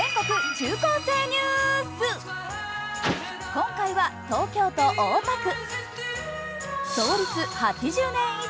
今回は東京都大田区。